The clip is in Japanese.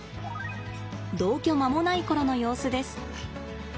同居間もない頃の様子です。